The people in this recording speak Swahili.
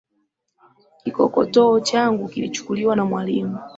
Kikokotoo changu kilichukuliwa na mwalimu.